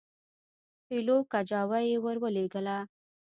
پیلو کجاوه یې ورولېږله.